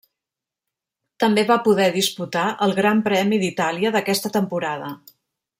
També va poder disputar el Gran Premi d'Itàlia d'aquesta temporada.